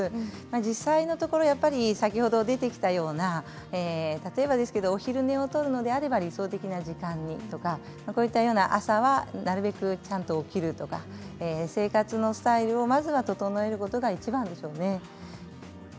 実際のところ先ほど出てきたようなお昼寝をとるのであれば理想的な時間にとか。朝はなるべくちゃんと起きるとか生活のスタイルをまず整えることがいちばんでしょうね。